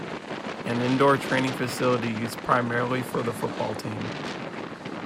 An indoor training facility used primarily for the football team.